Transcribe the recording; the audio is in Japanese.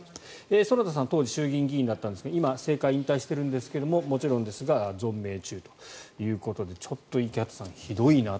園田さん、当時衆議院議員だったんですが今、政界を引退しているんですがもちろんですが存命中ということでちょっと池畑さん